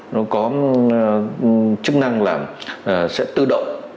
nó có chức năng là sẽ tự động